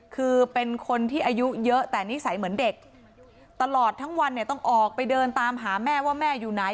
คือเป็นคนที่อายุเยอะแต่นิสัยเหมือนเด็กตลอดทั้งวันเนี่ยต้องออกไปเดินตามหาแม่ว่าแม่อยู่ไหน